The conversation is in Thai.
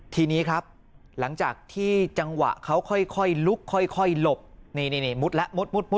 ทีนี้ครับหลังจากที่จังหวะเขาค่อยลุกค่อยหลบนี่มุดแล้วมุดปุ